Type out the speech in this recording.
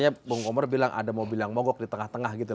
bung komar bilang ada mobil yang mogok di tengah tengah gitu